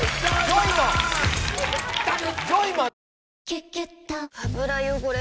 「キュキュット」油汚れ